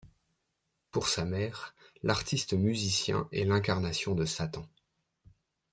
Pour sa mère, l'artiste musicien est l'incarnation de Satan.